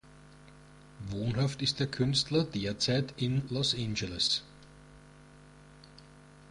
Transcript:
Wohnhaft ist der Künstler derzeit in Los Angeles.